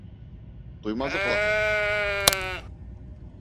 Туймазы ҡалаһы.